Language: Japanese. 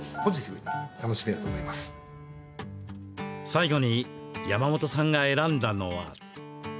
最後に山本さんが選んだのは。